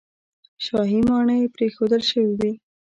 شاهي ماڼۍ پرېښودل شوې وې.